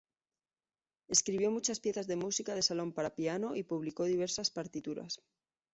Escribió muchas piezas de música de salón para piano y publicó diversas partituras.